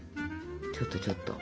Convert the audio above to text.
ちょっとちょっと。